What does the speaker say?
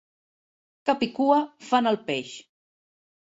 Cap i cua fan el peix.